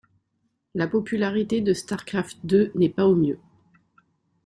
La popularité de starcraft deux n'est pas au mieux.